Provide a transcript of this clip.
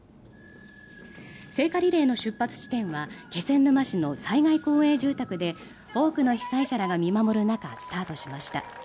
聖火リレーの出発地点は気仙沼市の災害公営住宅で多くの被災者らが見守る中スタートしました。